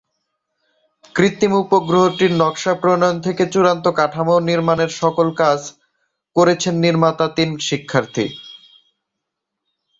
কৃত্রিম উপগ্রহটির নকশা প্রণয়ন থেকে চূড়ান্ত কাঠামো নির্মাণের সকল কাজ করেছেন নির্মাতা তিন শিক্ষার্থী।